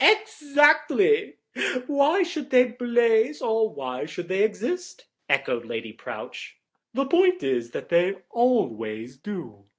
"Exactly; why should they blaze or why should they exist?" echoed Lady Prowche; "the point is that they always do.